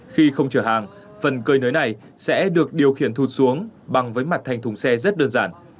khi không chở hàng phần cơi nới này sẽ được điều khiển thụt xuống bằng với mặt thành thùng xe rất đơn giản